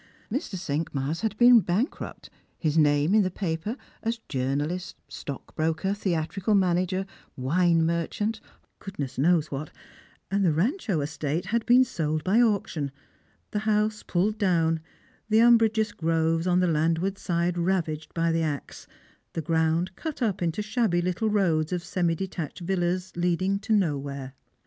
Mr. Cinq« mars had been bankrupt, his name in the papers as journalist, stockbroker, theatrical manager, wine merchant — goodness knows what; and the Rancho estate had been sold by auction, the house pulled down, the umbrageous groves on the landward side ravaged by the axe, the ground cut up into shabby little roads of semi detached villas leading to nowhere.